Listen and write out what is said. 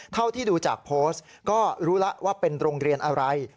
เท่าที่ดูจากโพสต์ก็รู้แล้วว่าเป็นโรงเรียนอะไร